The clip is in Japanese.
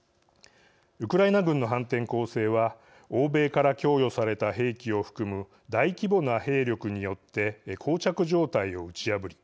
ウクライナ軍の反転攻勢は欧米から供与された兵器を含む大規模な兵力によってこう着状態を打ち破り